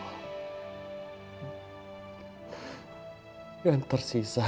hanya kepadamulah amba ter guerra potensi missnya